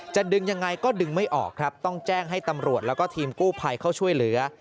จะดึงยังไงก็ดึงไม่ออกครับต้องแจ้งให้ตำรวจแล้วก็ทีมกู้ภัยเข้าช่วยเหลือ